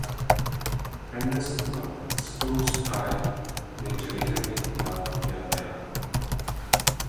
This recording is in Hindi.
एंडरसन विवाद: स्टोक्स, प्रायर ने जडेजा के खिलाफ दिया बयान